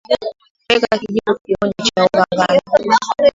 weka kijiko kimoja cha unga ngano